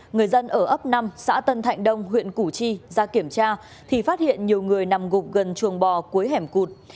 người dân ở ấp năm xã tân thạnh đông huyện củ chi ra kiểm tra thì phát hiện nhiều người nằm gục gần chuồng bò cuối hẻm cụt